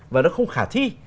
và nó không khả thi